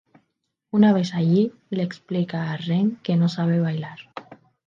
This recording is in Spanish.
Una vez allí, le explica a Ren que no sabe bailar.